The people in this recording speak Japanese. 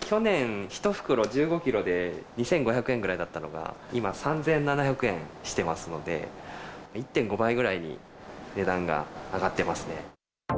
去年、１袋１５キロで２５００円ぐらいだったのが、今、３７００円してますので、１．５倍ぐらいに値段が上がってますね。